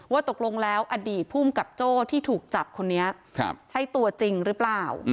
ตกลงแล้วอดีตภูมิกับโจ้ที่ถูกจับคนนี้ใช่ตัวจริงหรือเปล่า